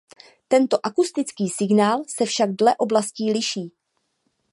Tento akustický signál se však dle oblastí liší.